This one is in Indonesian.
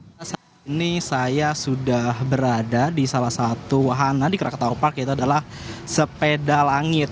saat ini saya sudah berada di salah satu wahana di krakatau park yaitu adalah sepeda langit